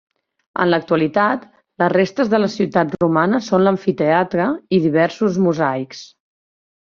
En l'actualitat, les restes de la ciutat romana són l'amfiteatre i diversos mosaics.